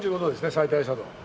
最大斜度。